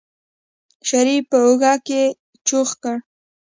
شريف په اوږه کې چوخ کړ.